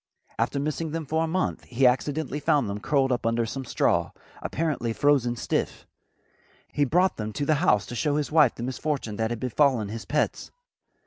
After missing them for a month he accidentally found them curled up under some straw, apparently frozen stiff. He brought them to the house to show his wife the misfortune that had befallen his pets.